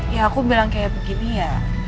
ya aku bilang seperti ini ya